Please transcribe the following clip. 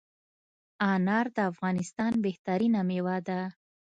انار دافغانستان بهترینه میوه ده